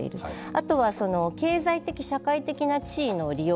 あとは経済的・社会的な地位の利用